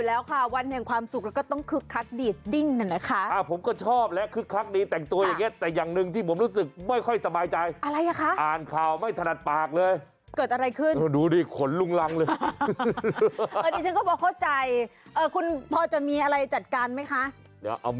รับคริสมัตรแบบนี้โอ๊ยคุณชิสา